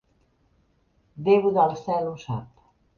Déu del cel ho sap.